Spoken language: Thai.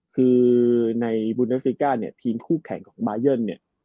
คือในบูนเดสรีก้าทีมคู่แข่งของบายัน